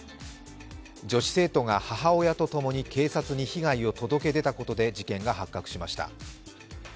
女子生徒が母親とともに警察に被害を届け出たことで事件が発覚しました。